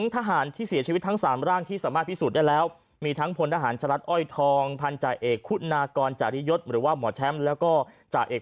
พันธุ์จ่ายเอกคุณากรจ่ายริยศหรือว่าหมอแชมพ์แล้วก็จ่ายเอก